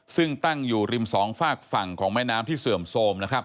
ซึ่งตั้งอยู่ริมสองฝากฝั่งของแม่น้ำที่เสื่อมโทรมนะครับ